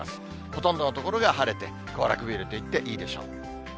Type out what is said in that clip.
ほとんどの所が晴れて、行楽日和と言っていいでしょう。